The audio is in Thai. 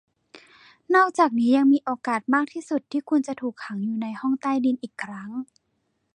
นอกจากนี้ยังมีโอกาสมากที่สุดที่คุณจะถูกขังอยู่ในห้องใต้ดินอีกครั้ง